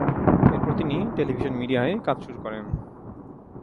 এরপর তিনি টেলিভিশন মিডিয়ায় কাজ শুরু করেন।